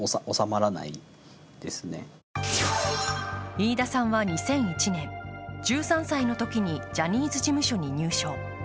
飯田さんは２００１年、１３歳のときにジャニーズ事務所に入所。